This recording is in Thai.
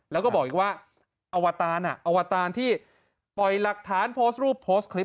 แล้วก็บอกอีกว่าอวตารอวตารที่ปล่อยหลักฐานโพสต์รูปโพสต์คลิป